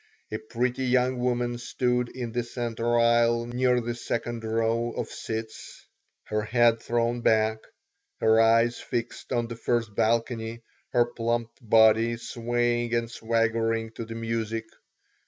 A pretty young woman stood in the center aisle near the second row of seats, her head thrown back, her eyes fixed on the first balcony, her plump body swaying and swaggering to the music.